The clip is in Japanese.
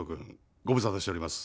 ご無沙汰しております。